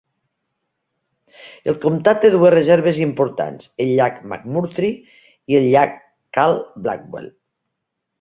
El comtat té dues reserves importants: el llac McMurtry i el llac Carl Blackwell.